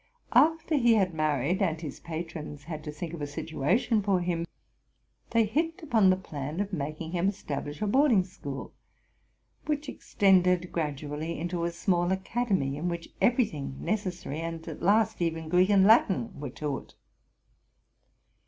After he had married, and his patrons had to think of a situation for him, they hit upon the plan of making him establish a boarding school, which extended gradually into a small academy, in sahiah every thing necessary, and at last even Greek and Latin, were taught.